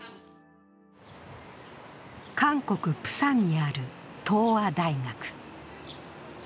韓国・プサンにある東亜大学。